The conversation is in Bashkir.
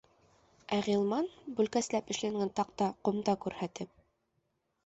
Ә Ғилман, бүлкәсләп эшләнгән таҡта ҡумта күрһәтеп: